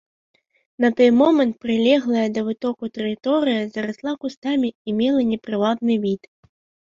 На той момант прылеглая да вытоку тэрыторыя зарасла кустамі і мела непрывабны від.